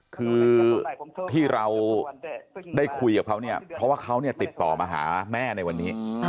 คือที่เราได้คุยกับเขาเนี่ยเพราะว่าเขาเนี่ยติดต่อมาหาแม่ในวันนี้